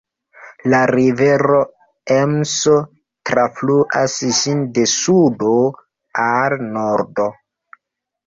La rivero Emso trafluas ĝin de sudo al nordo.